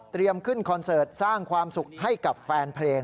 ขึ้นคอนเสิร์ตสร้างความสุขให้กับแฟนเพลง